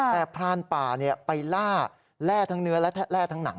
แต่พรานป่าไปล่าแร่ทั้งเนื้อและแร่ทั้งหนัง